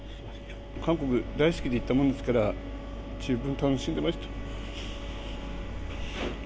韓国、大好きで行ったもんですから、十分楽しんでました。